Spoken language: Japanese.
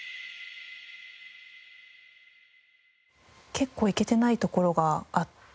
結構行けてない所があって。